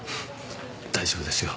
大丈夫ですよ。